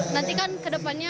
nanti kan ke depannya